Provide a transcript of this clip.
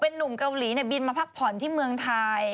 หนุ่มเกาหลีบินมาพักผ่อนที่เมืองไทย